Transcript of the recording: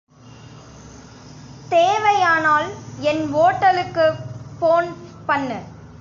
தேவையானால் என் ஓட்டலுக்கு போன் பண்ணு.